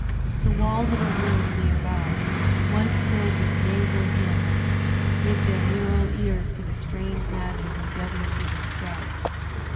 The walls of a room near by, once filled with nasal hymns, give their mural ears to the strange magic of Debussy and Strauss.